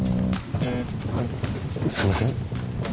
・あぁすいません。